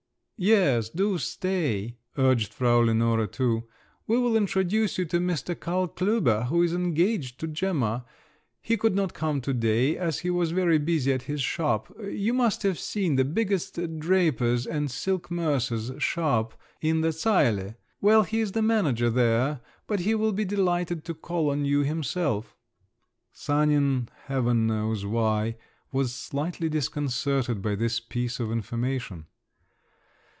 "Yes, do stay," urged Frau Lenore too. "We will introduce you to Mr. Karl Klüber, who is engaged to Gemma. He could not come to day, as he was very busy at his shop … you must have seen the biggest draper's and silk mercer's shop in the Zeile. Well, he is the manager there. But he will be delighted to call on you himself." Sanin—heaven knows why—was slightly disconcerted by this piece of information.